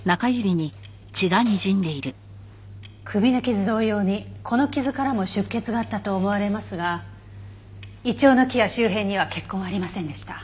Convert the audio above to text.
首の傷同様にこの傷からも出血があったと思われますがイチョウの木や周辺には血痕はありませんでした。